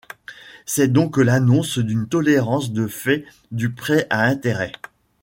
C'est donc l'annonce d'une tolérance de fait du prêt à intérêt.